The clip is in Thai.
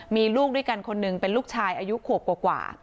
มีลูกด้วยกันคนหนึ่งเป็นลูกชายอายุขวบกว่า